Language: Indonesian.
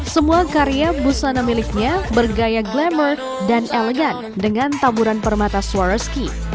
semua karya busana miliknya bergaya glamour dan elegan dengan taburan permata swarreski